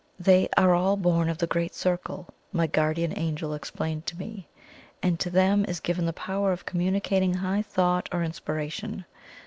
"They are all born of the Great Circle," my guardian Angel explained to me: "and to them is given the power of communicating high thought or inspiration.